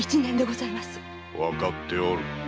わかっておる。